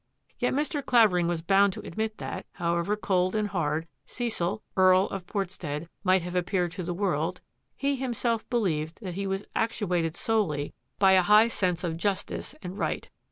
" Yet Mr. Clavering was bound to admit that, however cold and hard Cecil, Earl of Portstead, might have appeared to the world, he himself be lieved that he was actuated solely by a high sense I PORTSTEAD'S WILL 181 of justice and right.